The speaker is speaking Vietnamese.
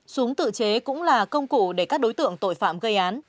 súng tự chế cũng là công cụ để các đối tượng tội phạm gây án